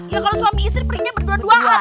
ya kalau suami istri perginya berdua duaan lah